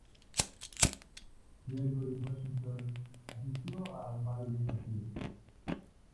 George Washington asistió a un baile aquí.